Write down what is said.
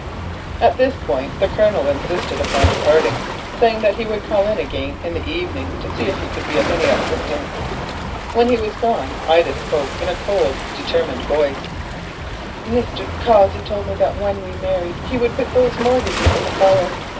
At this point the Colonel insisted upon leaving, saying he would call in again that evening to see if he could be of any assistance. When he was gone Ida spoke in a cold, determined voice: "Mr. Cossey told me that when we married he would put those mortgages in the fire.